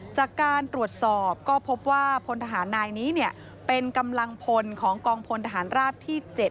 จากการตรวจสอบก็พบว่าพลทหารนายนี้เป็นกำลังพลของกองพลทหารราบที่๗